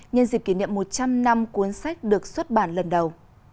nhân dịp kỷ niệm một trăm linh năm cuốn sách được xuất bản lần đầu